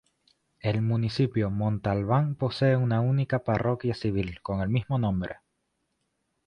El Municipio Montalbán posee una única parroquia civil, con el mismo nombre.